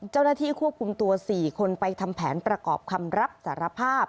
เจ้าหน้าที่ควบคุมตัว๔คนไปทำแผนประกอบคำรับสารภาพ